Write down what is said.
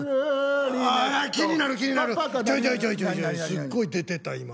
すっごい出てた今。